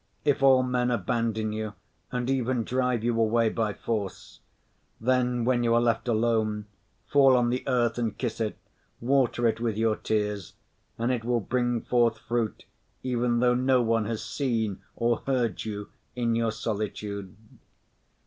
If all men abandon you and even drive you away by force, then when you are left alone fall on the earth and kiss it, water it with your tears and it will bring forth fruit even though no one has seen or heard you in your solitude.